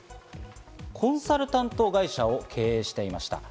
コンサルタント会社を経営していました。